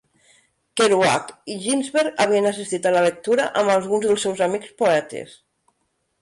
Kerouac i Ginsberg havien assistit a la lectura amb alguns dels seus amics poetes.